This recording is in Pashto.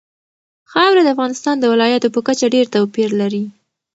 خاوره د افغانستان د ولایاتو په کچه ډېر توپیر لري.